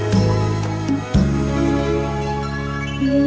สำคัญสิครับ